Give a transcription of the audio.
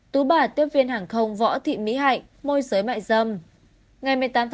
tú bà tiếp viên hàng không võ thị mỹ hạnh môi giới mại dâm